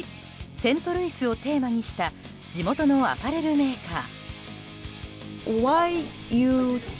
セントルイスをテーマにした地元のアパレルメーカー。